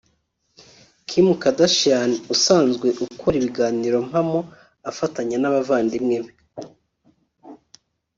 Kim Kardashian usanzwe ukora ikiganiro mpamo afatanya n’abavandimwe be